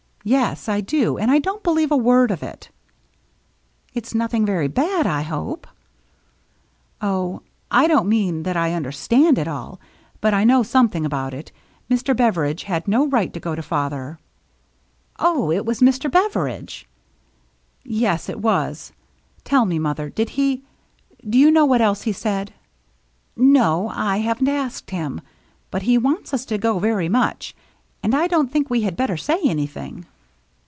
" Yes, I do. And I don't believe a word of it." " It's nothing very bad, I hope ?"*.' Oh, I don't mean that I understand it all, but I know something about it. Mr. Bever idge had no right to go to father." " Oh, it was Mr. Beveridge ?"" Yes, it was. Tell me, mother, did he — do you know what else he said ?"" No, I haven't asked him. But he wants us to go very much, and I don't think we had better say anything."